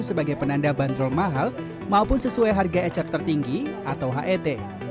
sebagai penanda bandrol mahal maupun sesuai harga ecer tertinggi atau het